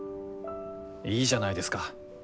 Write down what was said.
いいじゃないですか。